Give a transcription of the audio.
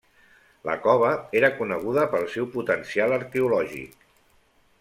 La cova era coneguda pel seu potencial arqueològic.